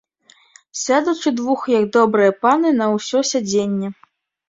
Сядуць удвух, як добрыя паны, на ўсё сядзенне.